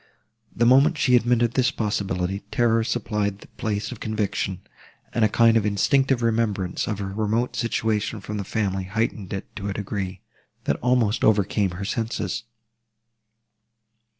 The moment she admitted this possibility, terror supplied the place of conviction, and a kind of instinctive remembrance of her remote situation from the family heightened it to a degree, that almost overcame her senses.